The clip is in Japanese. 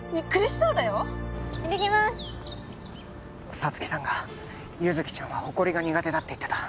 沙月さんが優月ちゃんはほこりが苦手だって言ってた